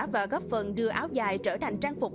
và góp phần đưa áo dài trở thành trang phục